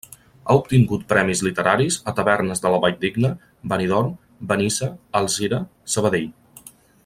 Ha obtingut premis literaris a Tavernes de la Valldigna, Benidorm, Benissa, Alzira, Sabadell.